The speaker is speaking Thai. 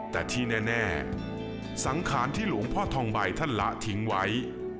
แต่ที่แน่สังขารที่หลวงพ่อทองใบท่านละทิ้งไว้